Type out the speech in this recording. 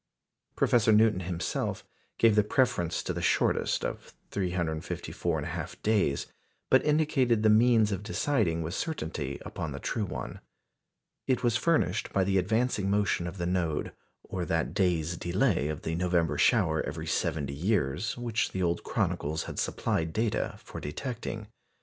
Professor Newton himself gave the preference to the shortest of 354 1/2 days, but indicated the means of deciding with certainty upon the true one. It was furnished by the advancing motion of the node, or that day's delay of the November shower every seventy years, which the old chronicles had supplied data for detecting.